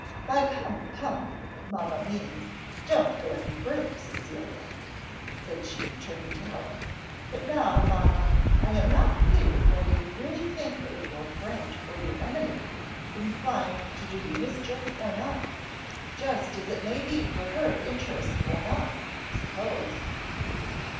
"By 'come, come!' mamma means, don't go any further, Cecilia," said she, turning to Helen. "But now, mamma, I am not clear whether you really think her your friend or your enemy, inclined to do you mischief or not. Just as it may be for her interest or not, I suppose."